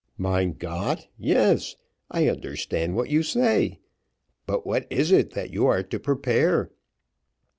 "Mein Gott! yes, I understand what you say; but what is it that you are to prepare?"